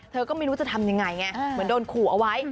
เธอก็ไม่รู้จะทำยังไงไงเหมือนโดนขู่เอาไว้